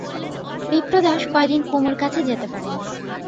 বিপ্রদাস কয়দিন কুমুর কাছে যেতে পারে নি।